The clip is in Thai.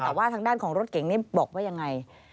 แต่ว่าทางด้านของรถเก่งนี้บอกว่ายังไง